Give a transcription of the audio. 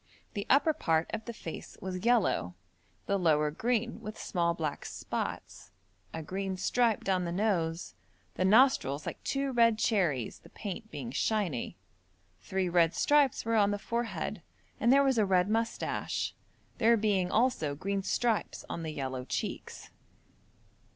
The upper part of the face was yellow, the lower green with small black spots, a green stripe down the nose, the nostrils like two red cherries, the paint being shiny. Three red stripes were on the forehead, and there was a red moustache, there being also green stripes on the yellow cheeks.